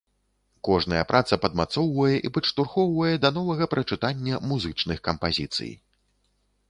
Кожная праца падмацоўвае і падштурхоўвае да новага прачытання музычных кампазіцый.